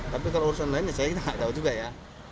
tapi kalau urusan lainnya saya nggak tahu juga ya